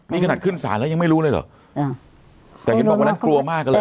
นี่ขนาดขึ้นศาลแล้วยังไม่รู้เลยเหรอแต่เห็นบอกวันนั้นกลัวมากเลย